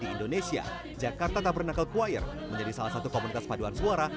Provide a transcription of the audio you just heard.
di indonesia jakarta tak pernah ke choir menjadi salah satu komunitas paduan suara